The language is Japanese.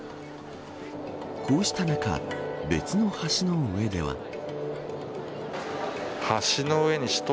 こうした中、別の橋の上では。